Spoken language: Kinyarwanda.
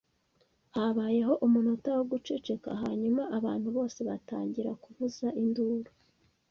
Habayeho umunota wo guceceka hanyuma abantu bose batangira kuvuza induru.